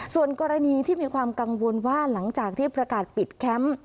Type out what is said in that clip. ส่วนกรณีที่มีความกังวลว่าหลังจากที่ประกาศปิดแคมป์